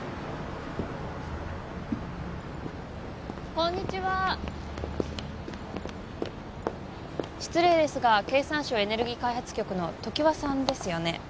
こんにちは失礼ですが経産省エネルギー開発局の常盤さんですよね？